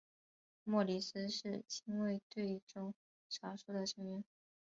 莫里斯是亲卫队中少数的成员。